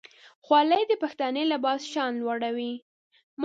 خولۍ د پښتني لباس شان لوړوي.